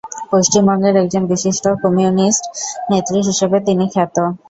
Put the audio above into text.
পশ্চিমবঙ্গের একজন বিশিষ্ট কমিউনিস্ট নেত্রী হিসাবে তিনি খ্যাত।